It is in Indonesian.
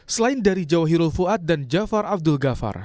selain dari jawa hirul fuad dan jafar abdul ghafar